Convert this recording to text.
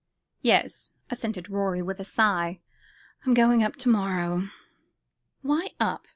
"Yes," assented Rorie, with a sigh, "I'm going up to morrow." "Why up?"